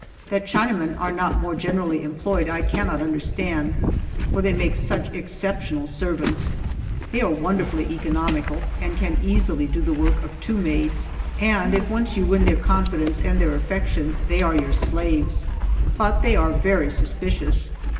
That Chinamen are not more generally employed I cannot understand, for they make such exceptional servants. They are wonderfully economical, and can easily do the work of two maids, and if once you win their confidence and their affection they are your slaves. But they are very suspicious.